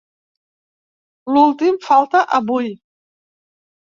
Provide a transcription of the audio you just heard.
L'últim falta avui.